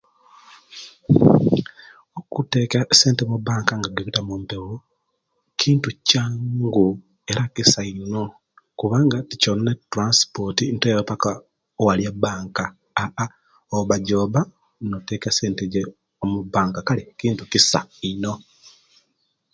Okuteka esente mubanka nga jibita mu pewo kintu kyangu era kisa ino kubanga tikyonona transport okwaba paka owali ebanka a a oba joba noteka esente Jo omubanka kale kintu kisa ino